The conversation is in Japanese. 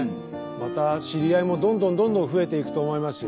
また知り合いもどんどんどんどん増えていくと思いますし。